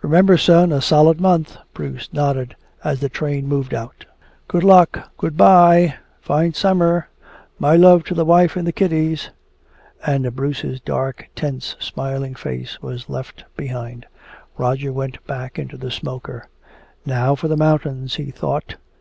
"Remember, son, a solid month!" Bruce nodded as the train moved out. "Good luck good bye fine summer my love to the wife and the kiddies " and Bruce's dark, tense, smiling face was left behind. Roger went back into the smoker. "Now for the mountains," he thought.